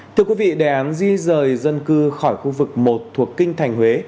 thưa quý vị đề án di rời dân cư khỏi khu vực một thuộc kinh thành huế